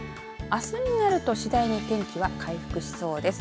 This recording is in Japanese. あすになると次第に天気は回復しそうです。